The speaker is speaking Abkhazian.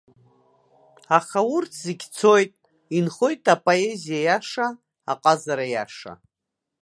Аха урҭ зегь цоит, инхоит апоезиа иаша, аҟазара иаша.